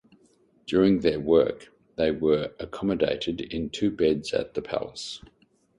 During their work they were accommodated in two beds at the palace.